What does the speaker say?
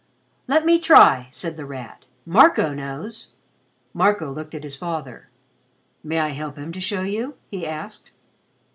"Let me try," said The Rat. "Marco knows." Marco looked at his father. "May I help him to show you?" he asked.